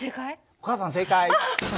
お母さん正解。